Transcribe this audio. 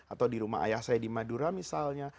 atau di rumah ayah saya di madura misalnya